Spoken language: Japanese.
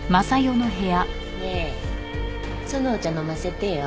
ねえそのお茶飲ませてよ。